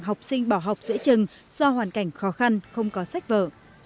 học sinh bỏ học dễ chừng do hoàn cảnh khó khăn không có sách vở